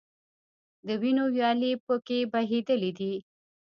د وینو ویالې په کې بهیدلي دي.